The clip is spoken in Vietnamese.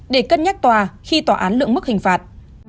để cân nhắc tòa khi tòa án lượng mức hình phạt